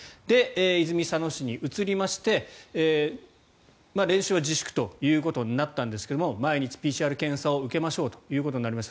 泉佐野市に移りまして練習は自粛ということになったんですけども毎日、ＰＣＲ検査を受けましょうということになりました。